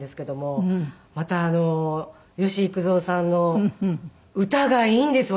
また吉幾三さんの歌がいいんです。